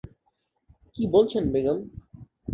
কি বলছেন বেগম!